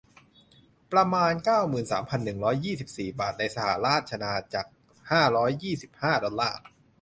ประมาณ เก้าหมื่นสามพันหนึ่งร้อยยี่สิบสี่ บาท ในสหราชอาณาจักร ห้าร้อยยี่สิบห้า ดอลลาร์